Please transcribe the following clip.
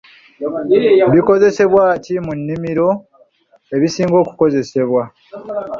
Bikozesebwa ki mu nnimiro ebisinga okukozesebwa?